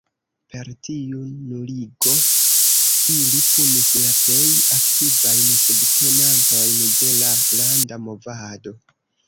Per tiu nuligo, ili punis la plej aktivajn subtenantojn de la landa movado.